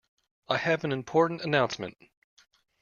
I have an important announcement